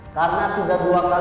karena sudah dua kali tidak hadir